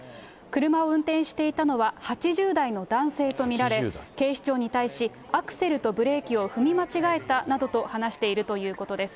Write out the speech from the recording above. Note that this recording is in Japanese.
車を運転していたのは、８０代の男性と見られ、警視庁に対し、アクセルとブレーキを踏み間違えたなどと話しているということです。